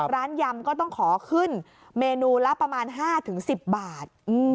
ยำก็ต้องขอขึ้นเมนูละประมาณ๕๑๐บาท